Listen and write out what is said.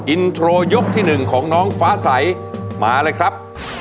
อินโทรยกที่๑ของน้องฟ้าใสมาเลยครับ